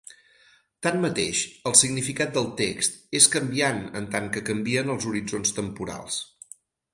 Tanmateix, el significat del text, és canviant en tant que canvien els horitzons temporals.